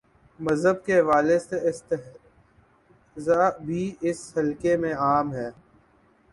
مذہب کے حوالے سے استہزا بھی، اس حلقے میں عام ہے۔